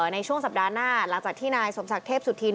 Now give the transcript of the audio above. ในช่วงสัปดาห์หน้าหลังจากที่นายสมศักดิ์เทพสุธิน